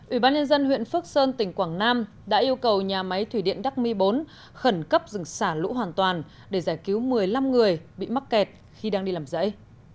ủy ban nhân dân huyện phước sơn tỉnh quảng nam đã yêu cầu nhà máy thủy điện đắc mi bốn khẩn cấp rừng xả lũ hoàn toàn để giải cứu một mươi năm người bị mắc kẹt khi đang đi làm dãy